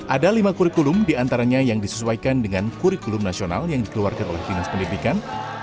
ada lima kurikulum diantaranya yang disesuaikan dengan kurikulum nasional yang dikeluarkan oleh dinas pendidikan